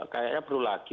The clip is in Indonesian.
kayaknya perlu lagi